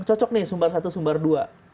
cocok nih sumbar satu sumbar dua